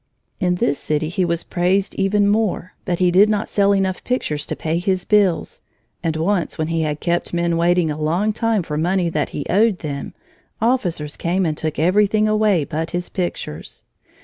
In this city he was praised even more, but he did not sell enough pictures to pay his bills, and once, when he had kept men waiting a long time for money that he owed them, officers came and took everything away but his pictures.